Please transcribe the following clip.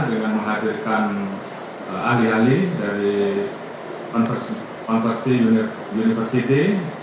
dengan menghadirkan ahli ahli dari onversity university